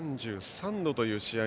３３度という試合